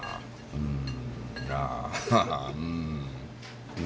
うん。